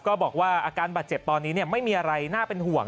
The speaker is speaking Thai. บอกว่าอาการบาดเจ็บตอนนี้ไม่มีอะไรน่าเป็นห่วง